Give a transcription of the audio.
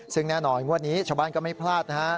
ซึ่งแน่นอนงวดนี้ชาวบ้านก็ไม่พลาดนะฮะ